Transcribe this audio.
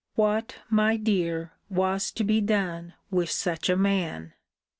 What, my dear, was to be done with such a man!